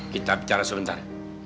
kita bicara sebentar